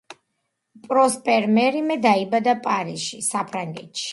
პროსპერ მერიმე დაიბადა პარიზში, საფრანგეთი.